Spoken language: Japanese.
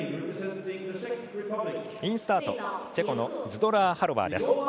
インスタート、チェコのズドラーハロバーです。